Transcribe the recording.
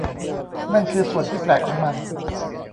นั่นคือส่วนที่แปลกของมัน